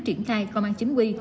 triển khai công an chính quy